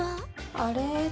あれ？